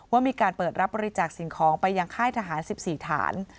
ว่ามีการเปิดรับบริจาคสิ่งของไปยังค่ายทหาร๑๔ฐาน